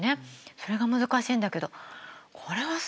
それが難しいんだけどこれはすごいね。